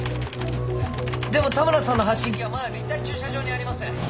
でも田村さんの発信機はまだ立体駐車場にあります。